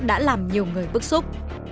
đã làm nhiều người bức xúc